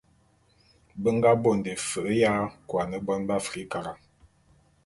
Be nga bonde fe'e ya kuane bon b'Afrikara.